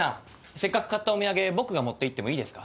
せっかく買ったお土産僕が持っていってもいいですか？